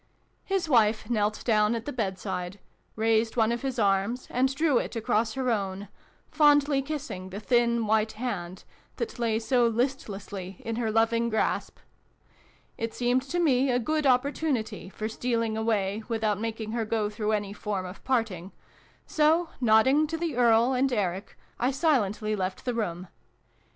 His wife knelt down at the bedside, raised one of his arms, and drew it across her own, fondly kissing the. thin white hand that lay so listlessly in her loving grasp. It seemed to me a good opportunity for stealing away without making her go through any form of parting : so, nodding to the Earl and Eric, I silently left the room.